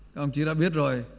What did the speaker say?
các ông chị đã biết rồi